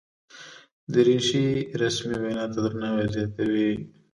دریشي رسمي وینا ته درناوی زیاتوي.